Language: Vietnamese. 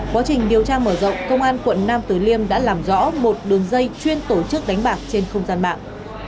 quá trình điều tra mở rộng công an quận nam tử liêm đã làm rõ một đường dây chuyên tổ chức đánh bạc trên không gian mạng